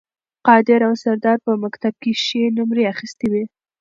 قادر او سردار په مکتب کې ښې نمرې اخیستې وې